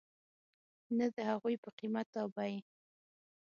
نه د هغوی په قیمت او بیې .